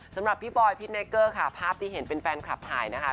สำหรับพี่บอยพิษเมเกอร์ค่ะภาพที่เห็นเป็นแฟนคลับถ่ายนะคะ